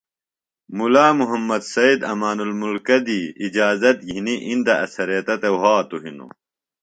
ملا محمد سید امان المکہ دی اِجازت گِھنی اندہ اڅھریتہ تھےۡ وھاتوۡ ہِنوۡ